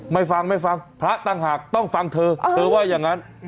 ไม่ฟังไม่ฟังพระต่างหากต้องฟังเธอเธอว่าอย่างนั้น